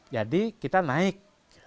jadi kita naik